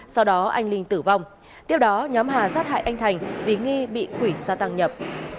sau đó anh linh tử vong tiếp đó nhóm hà sát hại anh thành vì nghi bị quỷ gia tăng nhập